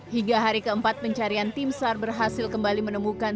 hingga hari keempat pencarian timsar berhasil kembali menemukan